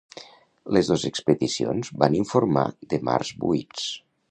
Les dos expedicions van informar de mars buits.